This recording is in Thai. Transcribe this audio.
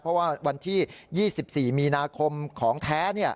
เพราะว่าวันที่๒๔มีนาคมของแท้